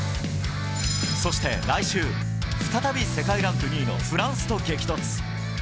そして来週、再び世界ランク２位のフランスと激突。